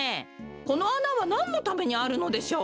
このあなはなんのためにあるのでしょう？